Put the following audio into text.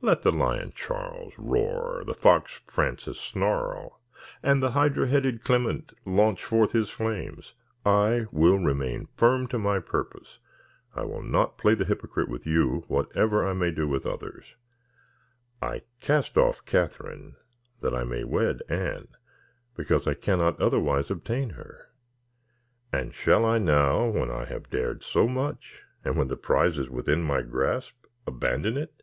Let the lion Charles roar, the fox Francis snarl, and the hydra headed Clement launch forth his flames, I will remain firm to my purpose. I will not play the hypocrite with you, whatever I may do with others. I cast off Catherine that I may wed Anne, because I cannot otherwise obtain her. And shall I now, when I have dared so much, and when the prize is within my grasp, abandon it?